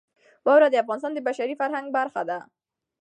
واوره د افغانستان د بشري فرهنګ برخه ده.